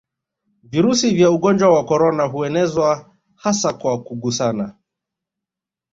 Virusi vya ugonnjwa wa korona huenezwa hasa kwa kugusana